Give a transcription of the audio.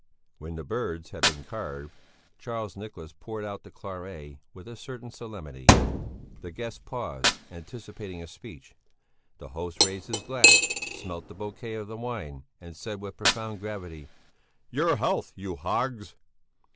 When the birds had been carved, Charles Nicholas poured out the claret with a certain solemnity. The guests paused, anticipating a speech. The host raised his glass, smelt the bouquet of the wine and said with profound gravity: "Your health, you hogs!"